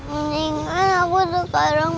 mendingan aku sekarang